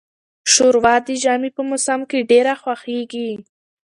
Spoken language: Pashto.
شوروا د ژمي په موسم کې ډیره خوښیږي.